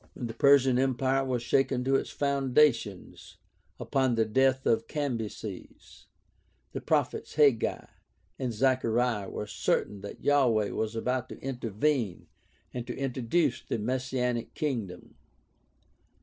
When the Persian Empire was shaken to its foundations upon the death of Cambyses, the prophets Haggai and Zechariah were certain that Yahweh was about to intervene and to introduce the messianic kingdom.